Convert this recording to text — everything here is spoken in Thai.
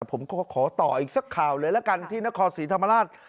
ผมก็ขอต่ออีกสักข่าวเลยละกันที่นครศรีธรรมราช